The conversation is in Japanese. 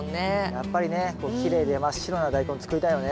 やっぱりねこうきれいで真っ白なダイコン作りたいよね。